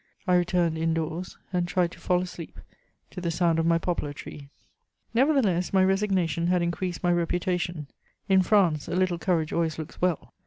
I returned indoors and tried to fall asleep to the sound of my poplar tree. Nevertheless my resignation had increased my reputation; in France a little courage always looks well.